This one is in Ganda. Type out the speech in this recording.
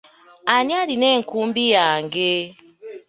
Ani alina enkumbi yange?